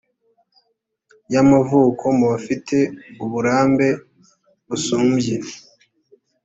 y amavuko mu bafite uburambe busumbye